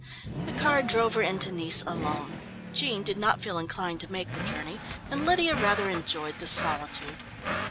The car drove her into Nice alone. Jean did not feel inclined to make the journey and Lydia rather enjoyed the solitude.